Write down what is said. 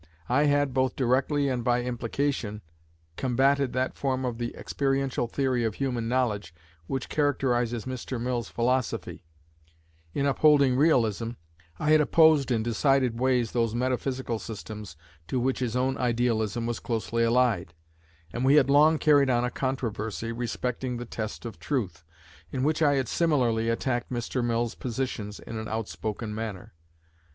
I had, both directly and by implication, combated that form of the experiential theory of human knowledge which characterizes Mr. Mill's philosophy: in upholding Realism, I had opposed in decided ways those metaphysical systems to which his own Idealism was closely allied; and we had long carried on a controversy respecting the test of truth, in which I had similarly attacked Mr. Mill's positions in an outspoken manner.